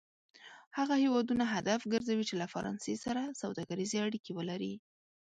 هغه هېوادونه هدف کرځوي چې له فرانسې سره سوداګریزې اړیکې ولري.